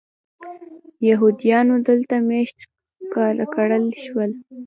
یهودیانو دلته مېشت کړل شول.